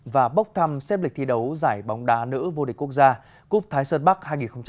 và bốc thăm xếp lịch thi đấu giải bóng đá nữ vô địch quốc gia cúp thái sơn bắc hai nghìn hai mươi bốn